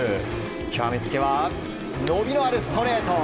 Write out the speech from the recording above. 極めつけは伸びのあるストレート。